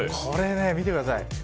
これ見てください。